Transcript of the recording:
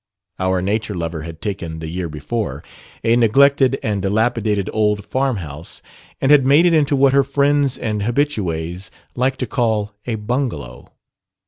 Our nature lover had taken, the year before, a neglected and dilapidated old farmhouse and had made it into what her friends and habitues liked to call a bungalow.